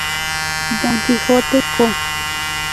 Don Quijote Co.